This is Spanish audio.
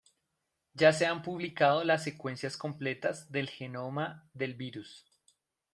Ya se han publicado las secuencias completas del genoma del virus.